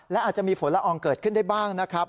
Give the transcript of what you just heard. และอาจจะมีฝนละอองเกิดขึ้นได้บ้างนะครับ